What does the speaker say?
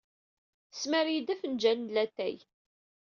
Tesmar-iyi-d afenǧal n latay.